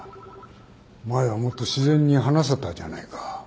前はもっと自然に話せたじゃないか。